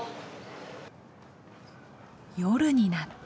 夜になった。